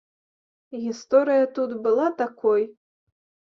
Гісторыя тут была такой.